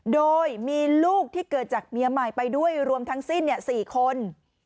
โดยมีลูกที่เกิดจากเมียใหม่ไปด้วยรวมทั้งสิ้น๔คน